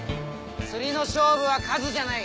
釣りの勝負は数じゃない。